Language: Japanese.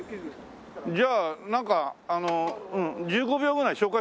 じゃあなんか１５秒ぐらい紹介するよ。